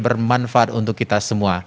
bermanfaat untuk kita semua